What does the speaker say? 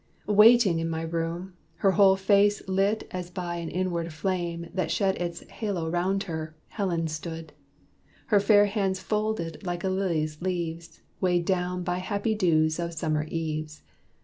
Waiting in my room, Her whole face lit as by an inward flame That shed its halo 'round her, Helen stood; Her fair hands folded like a lily's leaves Weighed down by happy dews of summer eves.